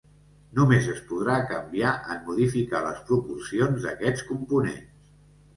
Només es podrà canviar en modificar les proporcions d'aquests components.